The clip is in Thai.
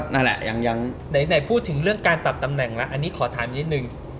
นายพูดถึงเรื่องการปรับตำแหน่งแล้วอันนี้ขอถามนิดนึง